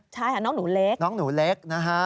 ใช่น้องหนูเล็ก